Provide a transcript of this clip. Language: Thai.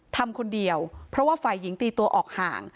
ทำคนเดียวเพราะว่าฝ่ายหญิงตีตัวออกห่าง